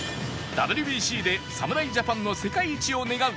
ＷＢＣ で侍ジャパンの世界一を願う